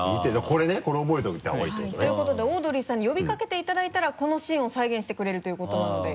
これ覚えておいたほうがいいってことね。ということでオードリーさんに呼びかけていただいたらこのシーンを再現してくれるということなので。